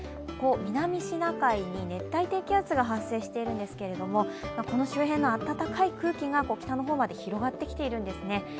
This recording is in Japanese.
南シナ海に熱帯低気圧が発生しているんですけれどもこの周辺の暖かい空気が北の方まで広がってきているんですね。